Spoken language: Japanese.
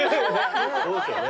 そうですよね。